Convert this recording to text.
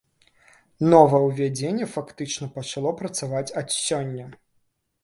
Новаўвядзенне фактычна пачало працаваць ад сёння.